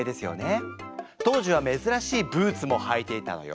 当時はめずらしいブーツもはいていたのよ。